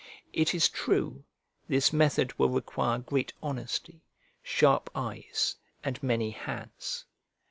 It is true, this method will require great honesty, sharp eyes, and many hands.